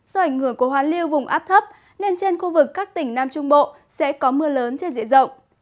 do ảnh hưởng của hoàn lưu vùng áp thấp nên trên khu vực các tỉnh nam trung bộ sẽ có mưa lớn trên diện rộng